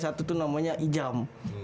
satu tuh namanya ijam